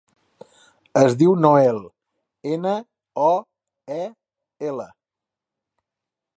Es diu Noel: ena, o, e, ela.